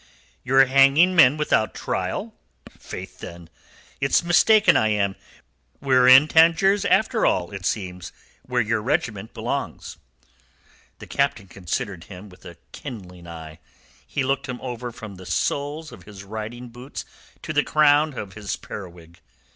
"You're hanging men without trial? Faith, then, it's mistaken I am. We're in Tangiers, after all, it seems, where your regiment belongs." The Captain considered him with a kindling eye. He looked him over from the soles of his riding boots to the crown of his periwig.